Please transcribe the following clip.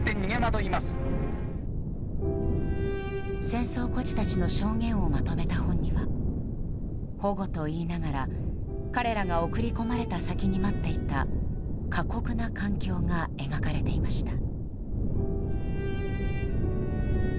戦争孤児たちの証言をまとめた本には保護といいながら、彼らが送り込まれた先に待っていた過酷な環境が描かれていました。